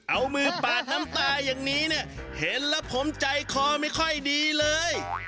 เอามือปาดน้ำตาอย่างนี้เนี่ยเห็นแล้วผมใจคอไม่ค่อยดีเลย